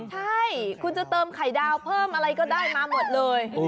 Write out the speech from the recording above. ใช่คุณจะเติมไข่ดาวเพิ่มอะไรก็ได้มาหมดเลย